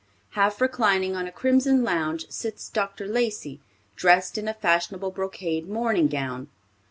Half reclining on a crimson lounge sits Dr. Lacey, dressed in a fashionable brocade morning gown.